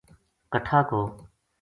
کَٹھا کو